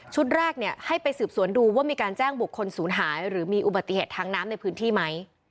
แรกให้ไปสืบสวนดูว่ามีการแจ้งบุคคลศูนย์หายหรือมีอุบัติเหตุทางน้ำในพื้นที่ไหม